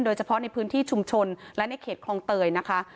โดยเฉพาะในพื้นที่ชุมชนและในเขตคลองเตยนะคะ